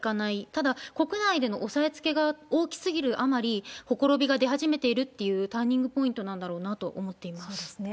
ただ、国内での押さえつけが大きすぎるあまり、ほころびが出始めているっていう、ターニングポイントなんだろうなそうですね。